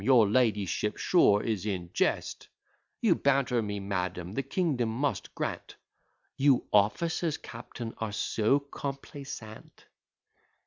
your ladyship sure is in jest; You banter me, madam; the kingdom must grant ' 'You officers, captain, are so complaisant!'"